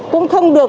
cũng không được